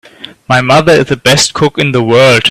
My mother is the best cook in the world!